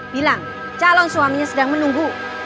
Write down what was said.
bilang calon suaminya sedang menunggu